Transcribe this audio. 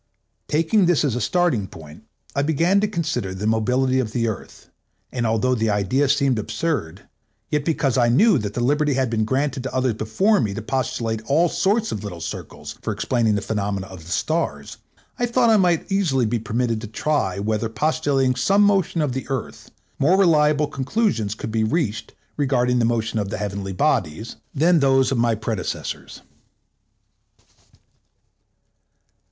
Taking this as a starting point, I began to consider the mobility of the Earth; and although the idea seemed absurd, yet because I knew that the liberty had been granted to others before me to postulate all sorts of little circles for explaining the phenomena of the stars, I thought I also might easily be permitted to try whether by postulating some motion of the Earth, more reliable conclusions could be reached regarding the revolution of the heavenly bodies, than those of my predecessors.